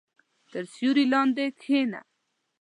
• تر سیوري لاندې کښېنه.